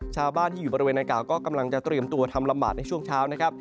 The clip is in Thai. ชาวบ้านที่อยู่บริเวณในเกาะก็กำลังจะเตรียมตัวทำลำบาดในช่วงเช้า